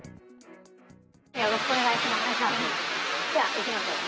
よろしくお願いします。